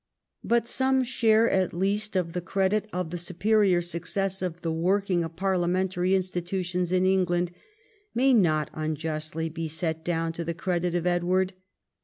But some share at least of the credit of the superior success of the working of parliamentary institutions in England may not unjustly be set down to the credit of Edward.